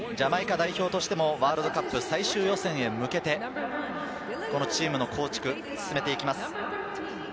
ジャマイカ代表としてもワールドカップ最終予選へ向けて、チームの構築を進めていきます。